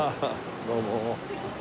どうも。